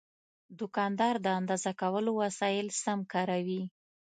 دوکاندار د اندازه کولو وسایل سم کاروي.